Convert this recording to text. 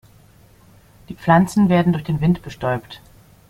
Die Pflanzen werden durch den Wind bestäubt.